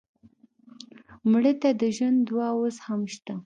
مړه ته د ژوند دعا اوس هم شته